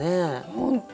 本当。